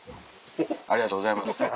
ありがとうございます